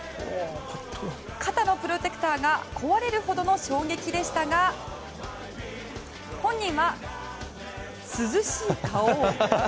肩のプロテクターが壊れるほどの衝撃でしたが本人は涼しい顔。